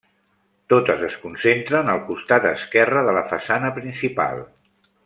Totes es concentren al costat esquerre de la façana principal.